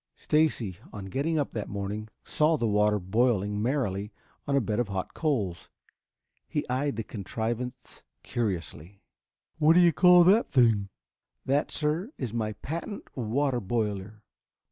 Stacy, on getting up that morning, saw the water boiling merrily on a bed of hot coals. He eyed the contrivance curiously. "What do you call that thing?" he demanded. "That, sir, is my patent water boiler."